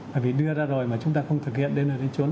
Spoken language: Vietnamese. bởi vì đưa ra rồi mà chúng ta không thực hiện